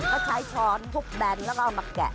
เพราะใช้ช้อนทุกแบงค์แล้วก็เอามาแกะ